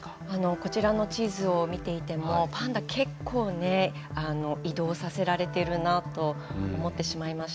こちらの地図を見ていてもパンダ、結構ね移動させられているなと思ってしまいました。